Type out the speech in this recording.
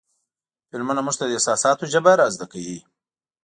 فلمونه موږ ته د احساساتو ژبه را زده کوي.